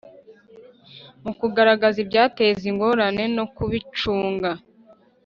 mu kugaragaza ibyateza ingorane no kubicunga